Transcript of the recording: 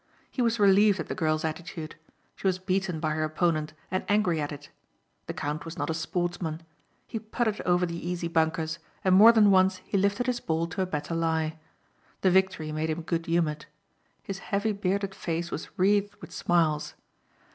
He was relieved at the girl's attitude. She was beaten by her opponent and angry at it. The count was not a sportsman. He putted over the easy bunkers and more than once he lifted his ball to a better lie. The victory made him good humoured. His heavy bearded face was wreathed with smiles.